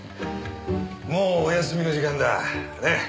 もうお休みの時間だ。ね？